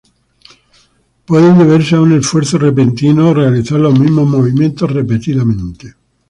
Pueden deberse a un esfuerzo repentino, o realizar los mismos movimientos repetidamente.